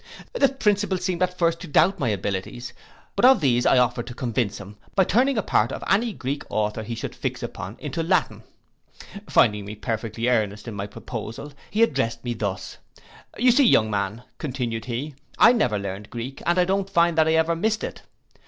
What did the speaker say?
The principal seemed at first to doubt of my abilities; but of these I offered to convince him, by turning a part of any Greek author he should fix upon into Latin. Finding me perfectly earnest in my proposal, he addressed me thus: You see me, young man, continued he, I never learned Greek, and I don't find that I have ever missed it.